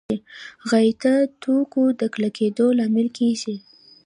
غایطه توکو د کلکېدو لامل کېږي.